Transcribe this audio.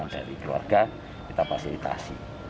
dari keluarga kita fasilitasi